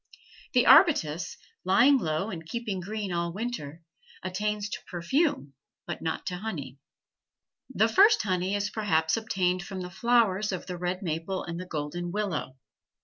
The arbutus, lying low and keeping green all winter, attains to perfume, but not to honey. The first honey is perhaps obtained from the flowers of the red maple and the golden willow.